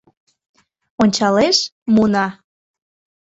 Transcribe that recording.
Ончалеш - муно.